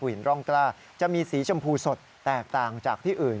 ผู้ชาติผู้หญิงร่องกล้าจะมีสีชมพูสดแตกต่างจากที่อื่น